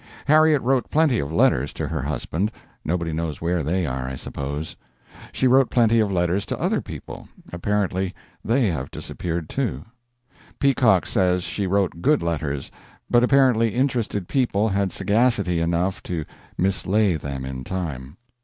Harriet wrote plenty of letters to her husband nobody knows where they are, I suppose; she wrote plenty of letters to other people apparently they have disappeared, too. Peacock says she wrote good letters, but apparently interested people had sagacity enough to mislay them in time.